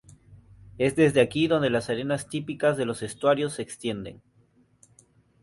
Es desde aquí donde las arenas típicas de los estuarios se extienden.